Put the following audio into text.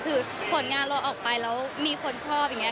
คือผลงานเราออกไปแล้วมีคนชอบอย่างนี้